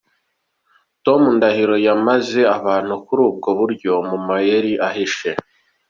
Tom Ndahiro yamaze abantu kuri ubwo buryo, mu mayeri ahishe.